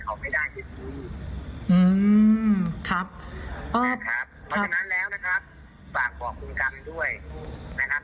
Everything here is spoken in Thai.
เพราะฉะนั้นแล้วนะครับฝากบอกคุณกรรมด้วยนะครับ